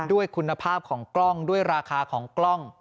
ด้วยคุณภาพของกล้องด้วยราคาของกล้อง